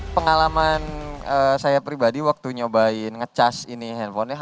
pengalaman saya pribadi waktu nyobain ngecas ini handphone